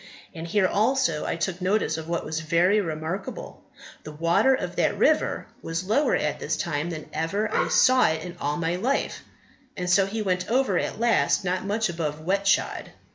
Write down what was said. And here also I took notice of what was very remarkable; the water of that river was lower at this time than ever I saw it in all my life, so he went over at last not much above wet shod."